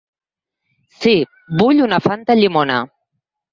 Si, vull una fanta llimona.